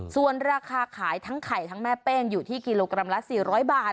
ส่วนราคาขายทั้งไข่ทั้งแม่เป้งอยู่ที่กิโลกรัมละ๔๐๐บาท